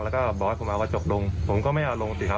แล้วก็บอกให้ผมเอากระจกลงผมก็ไม่เอาลงสิครับ